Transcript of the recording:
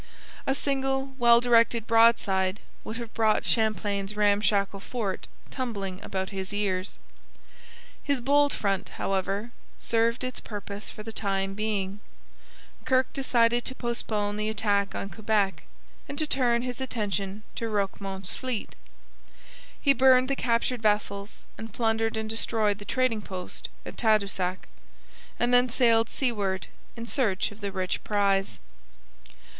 A single well directed broadside would have brought Champlain's ramshackle fort tumbling about his ears. His bold front, however, served its purpose for the time being; Kirke decided to postpone the attack on Quebec and to turn his attention to Roquemont's fleet. He burned the captured vessels and plundered and destroyed the trading post at Tadoussac, and then sailed seaward in search of the rich prize.